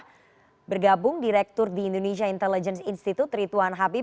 kita bergabung direktur di indonesia intelligence institute rituan habib